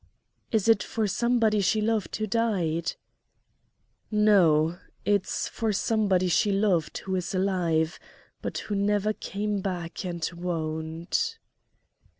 "Is it for somebody she loved who died?" "No it's for somebody she loved who is alive, but who never came back and won't."